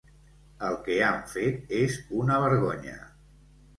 El que han fet és una vergonya.